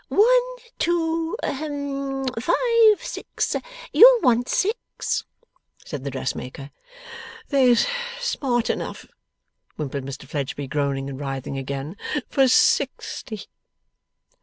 'One, two hum five, six. You'll want six,' said the dress maker. 'There's smart enough,' whimpered Mr Fledgeby, groaning and writhing again, 'for sixty.